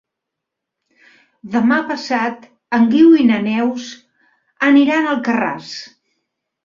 Demà passat en Guiu i na Neus aniran a Alcarràs.